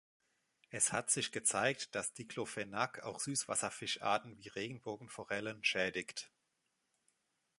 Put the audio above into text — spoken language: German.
Es hat sich gezeigt, dass Diclofenac auch Süßwasserfischarten wie Regenbogenforellen schädigt.